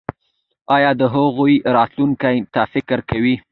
ایا د هغوی راتلونکي ته فکر کوئ؟